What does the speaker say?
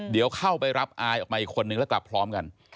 เดี๋ยวเข้าไปรับอายออกมาอีกคนนึงแล้วกลับพร้อมกัน